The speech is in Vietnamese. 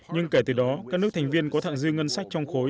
nhưng kể từ đó các nước thành viên có thẳng dư ngân sách trong khối